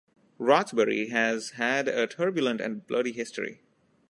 Rothbury has had a turbulent and bloody history.